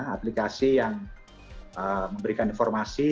aplikasi yang memberikan informasi